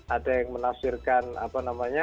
ada yang menafsirkan apa namanya